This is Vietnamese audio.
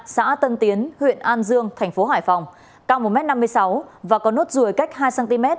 xã tân tiến huyện an dương tp hải phòng cao một m năm mươi sáu và có nốt rùi cách hai cm